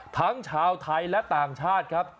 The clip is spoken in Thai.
ทั้งชาวไทยและต่างชาติครับ